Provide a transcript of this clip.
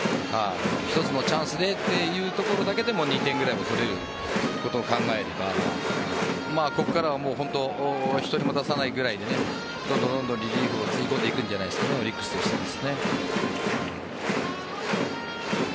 一つのチャンスでというところだけでも２点ぐらいは取れることを考えればここからは１人も出さないぐらいでどんどんリリーフをつぎ込んでくんじゃないですかオリックスとしては。